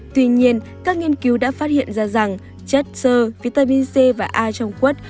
tuy nhiên các nghiên cứu đã phát hiện ra rằng chất sơ vitamin c và a trong quất